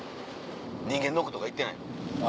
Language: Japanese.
人間ドックとか行ってないの？